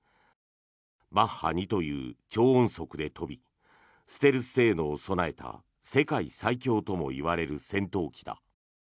マッハ２という超音速で飛びステルス性能を備えた世界最強ともいわれる戦闘機だ。